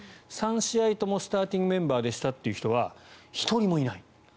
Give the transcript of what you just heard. ３試合ともスターティングメンバーでしたって人は１人もいない。